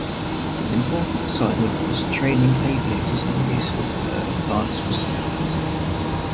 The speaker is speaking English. An important assignment was training aviators in the use of her advanced facilities.